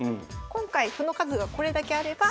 今回歩の数がこれだけあれば。